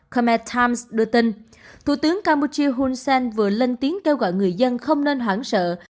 khamer times đưa tin thủ tướng campuchia hun sen vừa lên tiếng kêu gọi người dân không nên hoảng sợ